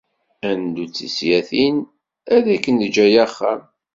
Ad neddu d tislatin ad ak-neǧǧ ay axxam.